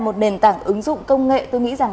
một nền tảng ứng dụng công nghệ tôi nghĩ rằng